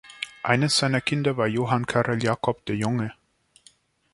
Eines seiner Kinder war Johan Karel Jakob de Jonge.